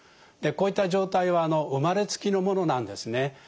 こういった状態は生まれつきのものなんですね。